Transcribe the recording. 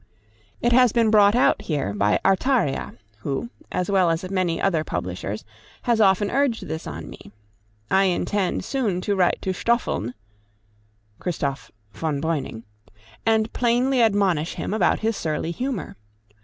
It has been brought out here by Artaria, who, as well as many other publishers, has often urged this on me. I intend soon to write to Stoffeln [Christoph von Breuning], and plainly admonish him about his surly humor.